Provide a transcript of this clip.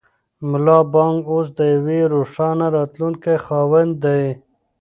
ملا بانګ اوس د یوې روښانه راتلونکې خاوند دی.